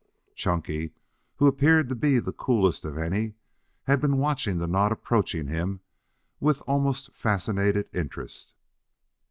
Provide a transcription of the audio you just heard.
Chunky, who appeared to be the coolest of any, had been watching the knot approaching him with almost fascinated interest.